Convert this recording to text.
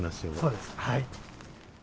そうですはい。